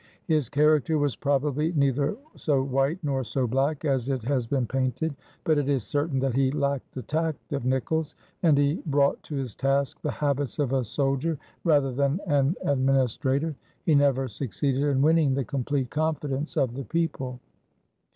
His character was probably neither so white nor so black as it has been painted; but it is certain that he lacked the tact of Nicolls, and he brought to his task the habits of a soldier rather than an administrator. He never succeeded in winning the complete confidence of the people.